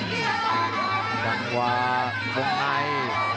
หลังกว่ามองใน